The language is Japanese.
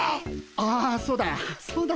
ああそうだそうだったな。